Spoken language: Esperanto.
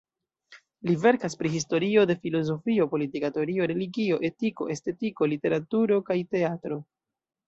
Li verkas pri historio de filozofio, politika teorio, religio, etiko, estetiko, literaturo kaj teatro.